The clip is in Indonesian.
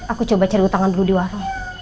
aku coba cari utangan dulu di warung